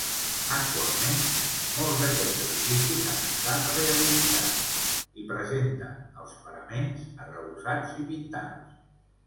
Actualment, molts d'aquests edificis han estat rehabilitats i presenten els paraments arrebossats i pintats.